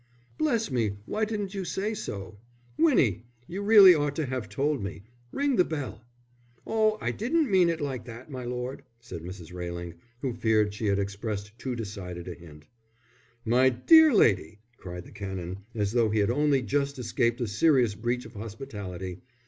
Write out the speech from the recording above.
"Bless me, why didn't you say so? Winnie, you really ought to have told me. Ring the bell." "Oh, I didn't mean it like that, my lord," said Mrs. Railing, who feared she had expressed too decided a hint. "My dear lady!" cried the Canon, as though he had only just escaped a serious breach of hospitality.